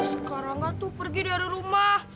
sekarangnya tuh pergi dari rumah